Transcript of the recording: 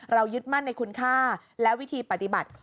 ยึดมั่นในคุณค่าและวิธีปฏิบัติ